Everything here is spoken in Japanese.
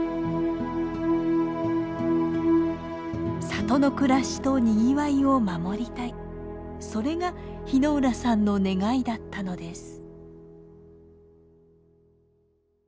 里の暮らしとにぎわいを守りたいそれが日之裏さんの願いだったのです。